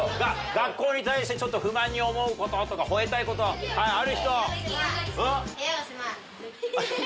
学校に対して不満に思うこととか吠えたいことある人。